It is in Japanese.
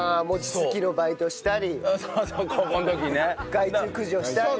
害虫駆除したり。